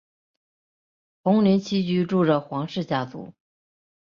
宏琳厝居住着黄姓家族。